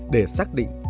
để xác định